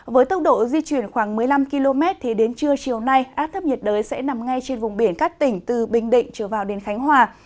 với tốc độ di chuyển khoảng một mươi năm km đến trưa chiều nay áp thấp nhiệt đới sẽ nằm ngay trên vùng biển các tỉnh từ bình định trở vào đến khánh hòa